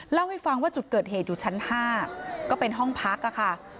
เล่าให้ฟังว่าจุดเกิดเหตุอยู่ชั้น๕ก็เป็นห้องพักค่ะ